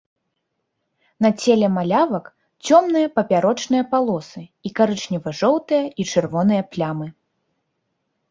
На целе малявак цёмныя папярочныя палосы і карычнева-жоўтыя і чырвоныя плямы.